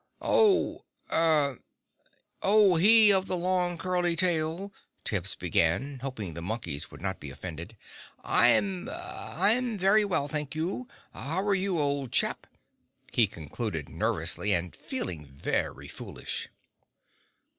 "Oh er. O He of the long curly tail!" Tibbs began, hoping the Monkey would not be offended. "I'm I'm very well, thank you! How are you, old chap?" he concluded nervously, and feeling very foolish.